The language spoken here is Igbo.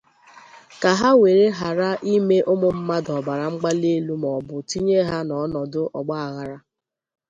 ka ha were ghara ime ụmụ mmadụ ọbara mgbalielu maọbụ tinye ha n'ọnọdụ ọgbaaghara.